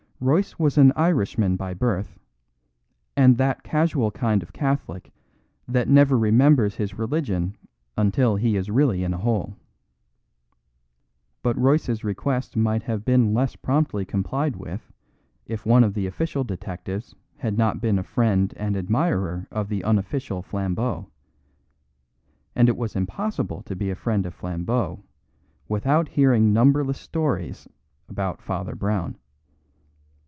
Royce was an Irishman by birth; and that casual kind of Catholic that never remembers his religion until he is really in a hole. But Royce's request might have been less promptly complied with if one of the official detectives had not been a friend and admirer of the unofficial Flambeau; and it was impossible to be a friend of Flambeau without hearing numberless stories about Father Brown.